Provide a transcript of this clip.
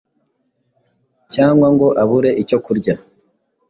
cyangwa ngo abure icyo kurya